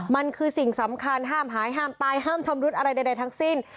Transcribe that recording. มันคือสิ่งสำคัญห้ามหายห้ามตายห้ามชำรุดอะไรใดทั้งสิ้น